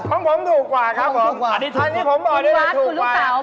ของผมถูกกว่าครับผมอันนี้ถูกกว่าเพื่อนอิวาร์ดคุณลูกเตาค์